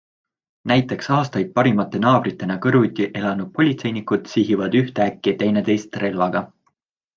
Näiteks aastaid parimate naabritena kõrvuti elanud politseinikud sihivad ühtäkki teineteist relvaga.